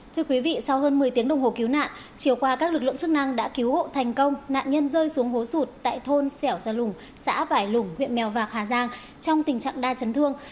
thưa quý vị sau hơn một mươi tiếng đồng hồ cứu nạn chiều qua các lực lượng chức năng đã cứu hộ thành công nạn nhân rơi xuống hố sụt tại thôn xẻo gia lùng xã vải lủng huyện mèo vạc hà giang trong tình trạng đa chấn thương